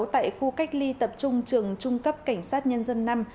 tại khu cách ly tập trung trường trung cấp cảnh sát nhân dân năm